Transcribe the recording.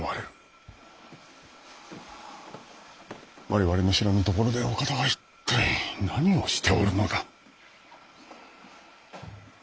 我々の知らぬところで岡田は一体何をしておるのだ。